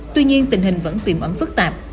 tuy nhiên tình hình vẫn tìm ẩn phức tạp